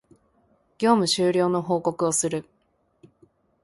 業務終了の報告をする